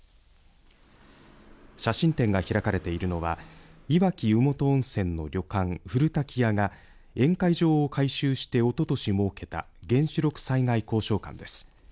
写真展が開かれているのはいわき湯本温泉の旅館古滝屋が宴会場を改修しておととし設けた原子力災害考証館です。